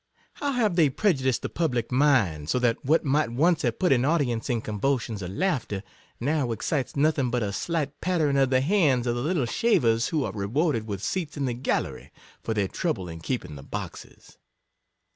— how have they prejudiced the public mind, so that what might once have put an audience in convulsions of laughter, now excites no thing but a slight pattering from the hands of the little shavers who are rewarded with seats in the gallery, for their trouble in keep ing the boxes.